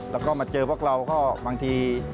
แล้วก็มาเจอพวกเราก็บางที